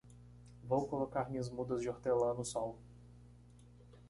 Vou colocar minhas mudas de hortelã no sol.